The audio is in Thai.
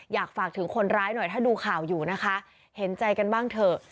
อยากฝากถึงคนร้ายหน่อยถ้าดูข่าวอยู่นะคะเห็นใจกันบ้างเถอะ